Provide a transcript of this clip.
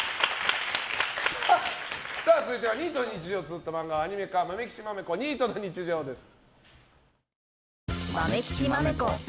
続いてはニートの日常をつづった漫画をアニメ化「まめきちまめこニートの日常」です。